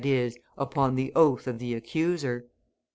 e_., upon the oath of the accuser.